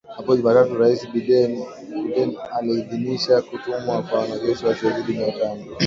Hapo Jumatatu Rais Biden aliidhinisha kutumwa kwa wanajeshi wasiozidi mia tano